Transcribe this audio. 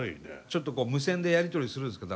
ちょっと無線でやり取りするんですか？